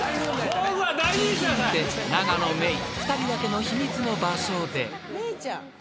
［２人だけの秘密の場所で］